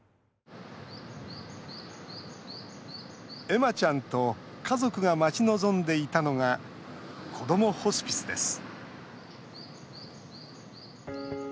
恵麻ちゃんと家族が待ち望んでいたのがこどもホスピスです。